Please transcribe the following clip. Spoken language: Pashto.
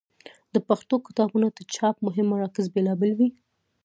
د پښتو کتابونو د چاپ مهم مراکز بېلابېل ول.